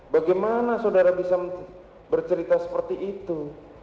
bagaimana saudara bisa bercerita seperti itu